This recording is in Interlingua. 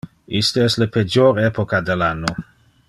Iste es le pejor epocha del anno.